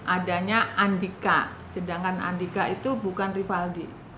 adanya andika sedangkan andika itu bukan rivaldi